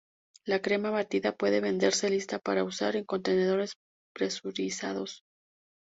La crema batida puede venderse lista para usar en contenedores presurizados.